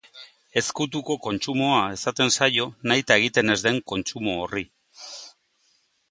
Ezkutuko kontsumoa esaten zaio nahita egiten ez den kontsumo horri.